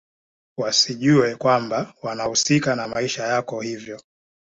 wasijue kwamba wanahusika na maisha yako hivyo